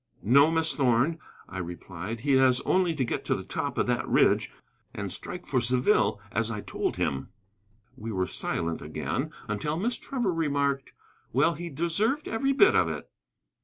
"No, Miss Thorn," I replied; "he has only to get to the top of that ridge and strike the road for Saville, as I told him." We were silent again until Miss Trevor remarked: "Well, he deserved every bit of it."